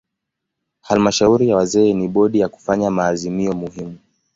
Halmashauri ya wazee ni bodi ya kufanya maazimio muhimu.